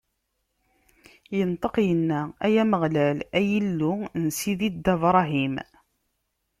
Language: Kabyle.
Inṭeq, inna: Ay Ameɣlal, ay Illu n sidi Dda Bṛahim!